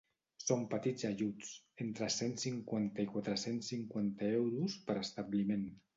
Són petits ajuts, entre cent cinquanta i quatre-cents cinquanta euros per establiment.